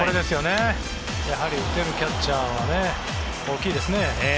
やはり打てるキャッチャーは大きいですね。